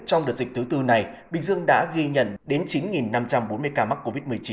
trong đợt dịch thứ tư này bình dương đã ghi nhận đến chín năm trăm bốn mươi ca mắc covid một mươi chín